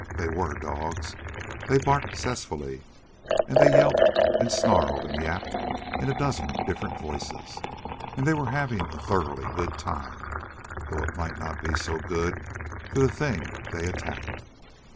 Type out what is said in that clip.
They were dogs. They barked zestfully, and they yelped and snarled and yapped in a dozen different voices, and they were having a thoroughly good time, though it might not be so good for the thing they attacked.